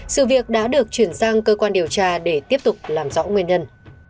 sự việc đã được chuyển sang cơ quan điều tra để tiếp tục làm rõ nguyên nhân